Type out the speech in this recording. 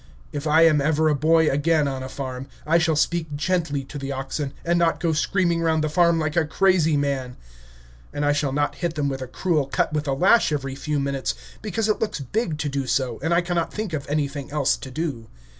If I am ever a boy again on a farm, I shall speak gently to the oxen, and not go screaming round the farm like a crazy man; and I shall not hit them a cruel cut with the lash every few minutes, because it looks big to do so and I cannot think of anything else to do.